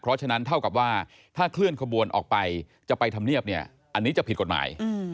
เพราะฉะนั้นเท่ากับว่าถ้าเคลื่อนขบวนออกไปจะไปทำเนียบเนี่ยอันนี้จะผิดกฎหมาย